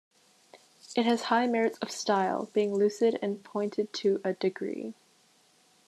It has high merits of style, being lucid and pointed to a degree.